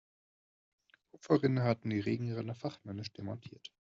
Kupferdiebe hatten die Regenrinne fachmännisch demontiert.